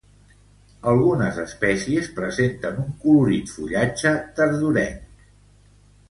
Algunes espècies presenten un colorit fullatge tardorenc.